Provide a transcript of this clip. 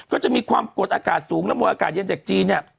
ก็จะมีความกดอากาศสูงและมวลอากาศเย็นจากจีนเนี่ย